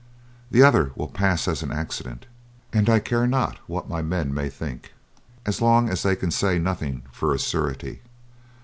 The other will pass as an accident, and I care not what my men may think as long as they can say nothing for a surety.